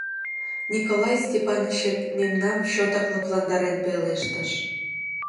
Николай Степанычет мемнам чотак лыпландарен пелештыш: